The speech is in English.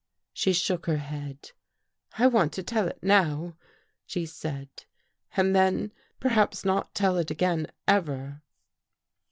" She shook her head. " I want to tell it now," she said, " and then perhaps not tell it again, ever.